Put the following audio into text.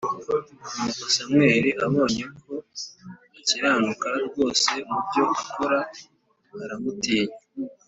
Nuko Sawuli abonye ko akiranuka rwose mu byo akora, aramutinya.